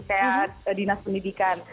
kayak dinas pendidikan